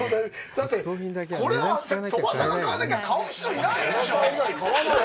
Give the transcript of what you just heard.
だって、これは鳥羽さんが買わなきゃ買う人いないでしょう。